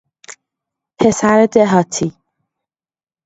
پسر دهاتی